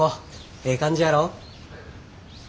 ええ感じやろ？